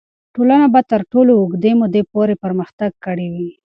ټولنه به تر اوږدې مودې پورې پرمختګ کړی وي.